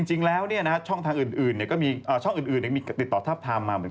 แต่ต่อไปถ้าเจอกับช่องอื่นจะเป็นในรูปแบบอื่น